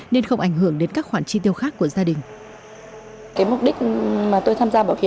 nên không ảnh hưởng đến các khoản chi tiêu khác của gia đình